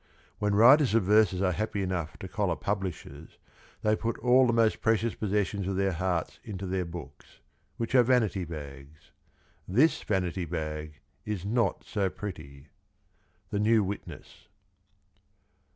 When writers of verses are happy enough to collar publishers they put all the most precious possessions of their hearts into their books — which are vanity bags. ... [This] vanity bag [is] not so pretty. — The Next' Witness.